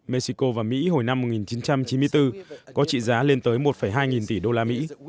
mexico và mỹ hồi năm một nghìn chín trăm chín mươi bốn có trị giá lên tới một hai nghìn tỷ đô la mỹ